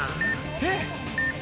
えっ！